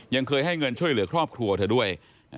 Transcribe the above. ยังเคยให้เงินช่วยเหลือครอบครัวเธอด้วย